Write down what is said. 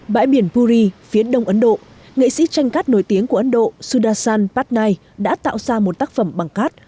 bãi biển puri phía đông ấn độ nghệ sĩ tranh cát nổi tiếng của ấn độ sudarsan patnaik đã tạo ra một tác phẩm bằng cát